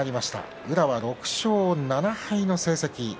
宇良は６勝７敗の成績。